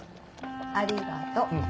ありがとう。